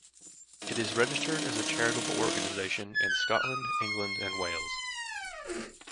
It is registered as a charitable organisation in Scotland, England and Wales.